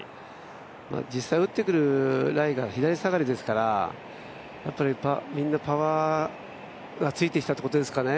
実際打ってくるラインが左下がりですから、みんなパワーがついてきたということですかね